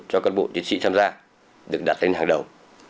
cho cán bộ chiến sĩ tham gia được đặt lên hàng đầu